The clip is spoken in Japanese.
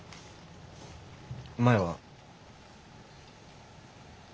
前は。